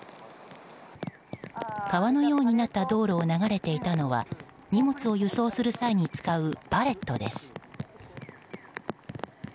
川のようになった道路を流れていたのは荷物を輸送する際に使うパレットです。